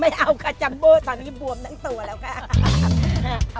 ไม่เอาค่ะจัมโบตอนนี้บวมทั้งตัวแล้วก็